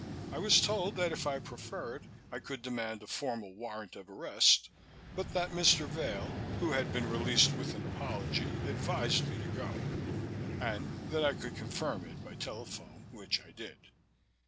I was told that if I preferred I could demand a formal warrant of arrest but that Mr. Vail, who had been released with an apology, advised me to go, and that I could confirm it by telephone which I did.